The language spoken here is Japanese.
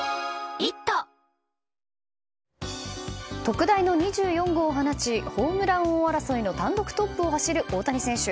特大の２４号を放ちホームラン王争いの単独トップを走る大谷選手。